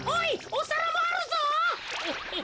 おさらもあるぞ。